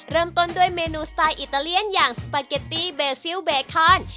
เริ่มต้นด้วยเมนูสไตล์อิตาเลียนอย่างสปาเกตตี้เบซิลเบคอน